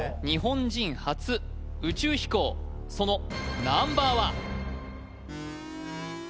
日本人初宇宙飛行そのナンバーは？